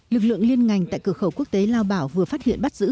lực lượng liên ngành tại cửa khẩu quốc tế lao bảo vừa phát hiện bắt giữ